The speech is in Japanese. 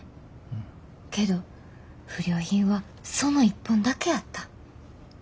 けど不良品はその一本だけやった。